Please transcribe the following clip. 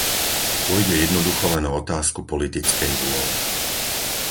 Pôjde jednoducho len o otázku politickej vôle.